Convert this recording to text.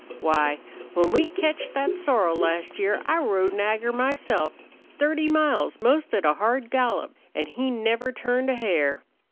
Why, when we ketched thet sorrel last year I rode Nagger myself thirty miles, most at a hard gallop. An' he never turned a hair!"